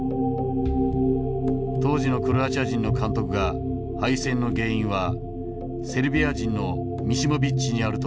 当時のクロアチア人の監督が「敗戦の原因はセルビア人のミシモビッチにある」と発言した。